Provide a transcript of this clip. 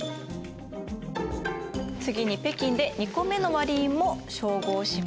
次に北京で２個目の割り印も照合します。